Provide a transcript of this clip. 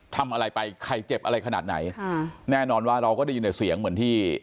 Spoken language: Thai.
ทำอะไรไปใครเจ็บอะไรขนาดไหนค่ะแน่นอนว่าเราก็ได้ยินแต่เสียงเหมือนที่